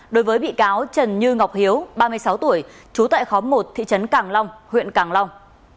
đối với bị cáo trần như ngọc hiếu ba mươi sáu tuổi trú tại khóm một thị trấn càng long huyện càng long